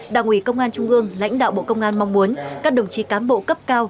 đảng ủy công an trung ương lãnh đạo bộ công an mong muốn các đồng chí cán bộ cấp cao